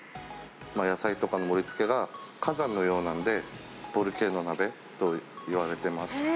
野菜とかの盛りつけが火山のようなんで、ボルケーノ鍋と言われてます。